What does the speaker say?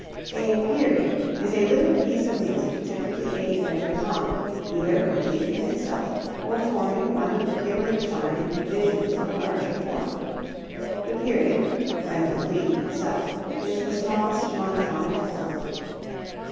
A period is a little piece of music typically eight measures long, either complete in itself or forming one of the clearly defined divisions of a larger form. The period (when complete in itself) is the smallest monophonic form.